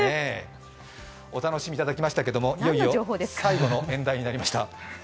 お楽しみいただきましたけどいよいよ最後の演題となりました。